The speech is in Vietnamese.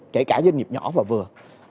kể cả doanh nghiệp nhỏ và vừa